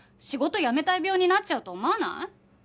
仕事辞めたい病になっちゃうと思わない？